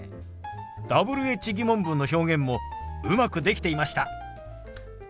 Ｗｈ−疑問文の表現もうまくできていました。